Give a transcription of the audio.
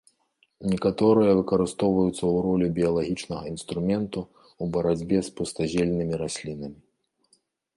Некаторыя выкарыстоўваюцца ў ролі біялагічнага інструменту ў барацьбе з пустазельнымі раслінамі.